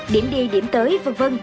điểm đi điểm tới v v